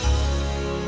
sudah sudah sudah